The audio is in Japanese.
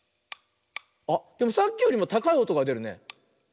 あっでもさっきよりもたかいおとがでるね。